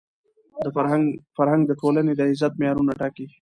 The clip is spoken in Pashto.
فرهنګ د ټولني د عزت معیارونه ټاکي.